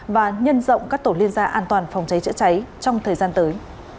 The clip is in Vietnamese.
và nhân rộng các tổ liên gia an toàn phòng cháy chữa cháy trong thời gian tới